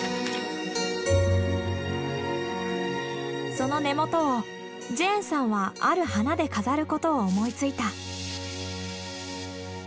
その根元をジェーンさんはある花で飾ることを思いついた。